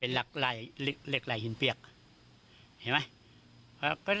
เป็นเหล็กไหล่หินเปียก